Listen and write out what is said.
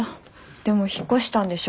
でも引っ越したんでしょ？